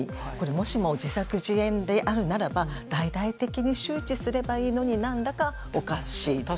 もしも自作自演であるならば大々的に周知すればいいのに何だかおかしい。